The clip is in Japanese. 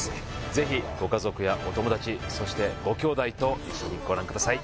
ぜひご家族やお友達そしてごきょうだいと一緒にご覧ください